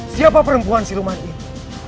siapa perempuan siluman itu